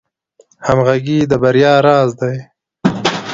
همغږي د بریا راز دی